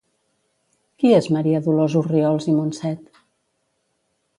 Qui és Maria Dolors Orriols i Monset?